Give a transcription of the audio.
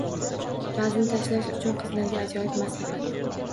Vazn tashlash uchun qizlarga ajoyib maslahat